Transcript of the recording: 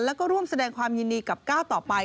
แล้วก็ร่วมแสดงความยินดีกับก้าวต่อไป